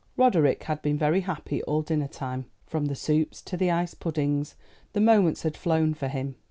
Roderick had been very happy all dinner time. From the soups to the ice puddings the moments had flown for him.